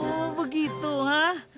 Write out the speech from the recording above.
oh begitu hah